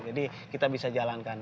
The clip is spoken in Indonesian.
jadi kita bisa jalankan